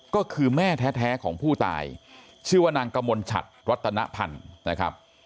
ก็คือแม่แท้ของผู้ตายชื่อว่านางกมลชัดรัตนพันธ์นะครับ